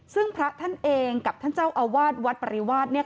ซึ่งพระท่านเองกับท่านเจ้าอาวาสวัดปริวาส